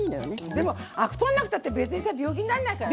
でもアク取んなくたって別にさ病気になんないからね。